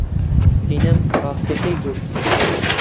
سینەم ڕاستییەکەی گوت.